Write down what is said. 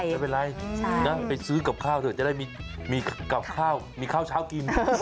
ไม่เป็นไรไปซื้อกับข้าวเถอะจะได้มีกับข้าวมีข้าวเช้ากิน